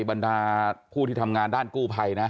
บรรดาผู้ที่ทำงานด้านกู้ภัยนะ